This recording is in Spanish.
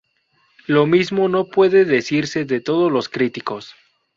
Lo mismo no puede decirse de todos los críticos.